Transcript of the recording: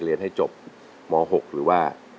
เรียนให้จบม๖หรือว่า